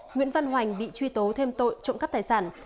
nguyễn văn hoành bị truy tố thêm tội trộm cắp tài sản